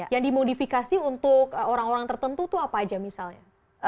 yang dimodifikasi untuk orang orang tertentu itu apa aja misalnya